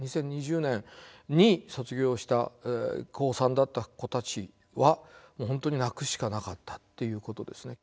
２０２０年に卒業した高３だった子たちはもう本当に泣くしかなかったっていうことですね。